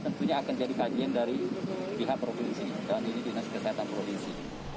tentunya akan jadi kajian dari pihak provinsi dan ini dinas kesehatan provinsi